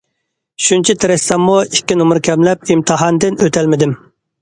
شۇنچە تىرىشساممۇ، ئىككى نومۇر كەملەپ ئىمتىھاندىن ئۆتەلمىدىم.